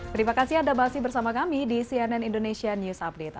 terima kasih anda masih bersama kami di cnn indonesia news update